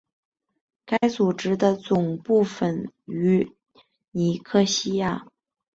该组织的总部位于尼科西亚。